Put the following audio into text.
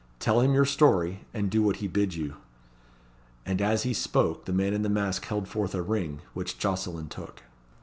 Tell him your story; and do what he bids you." And as he spoke the man in the mask held forth a ring, which Jocelyn took.